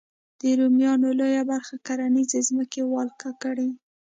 د رومیانو لویه برخه کرنیزې ځمکې ولکه کړې.